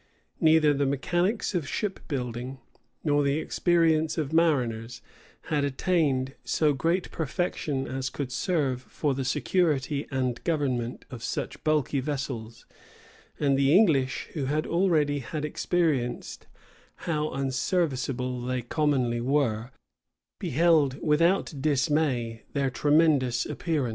Neither the mechanics of ship building, nor the experience of mariners, had attained so great perfection as could serve for the security and government of such bulky vessels; and the English, who had already had experience how unserviceable they commonly were, beheld without dismay their tremendous appearance.